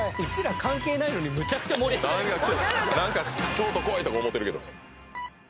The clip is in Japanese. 京都こいとか思ってるけど。